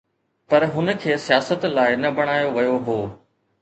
پر هن کي سياست لاءِ نه بڻايو ويو هو.